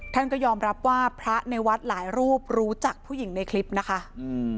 ท่านก็ยอมรับว่าพระในวัดหลายรูปรู้จักผู้หญิงในคลิปนะคะอืม